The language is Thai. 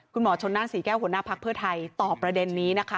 คุณหมอชนนั่นศรีแก้วหัวหน้าภักดิ์เพื่อไทยตอบประเด็นนี้นะคะ